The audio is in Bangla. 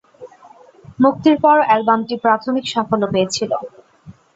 মুক্তির পর অ্যালবামটি প্রাথমিক সাফল্য পেয়েছিল।